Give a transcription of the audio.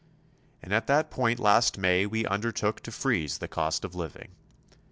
And at that point last May we undertook to freeze the cost of living.